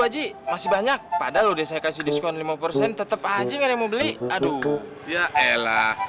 haji masih banyak padahal udah saya kasih diskon lima persen tetep aja ngeremo beli aduh ya elah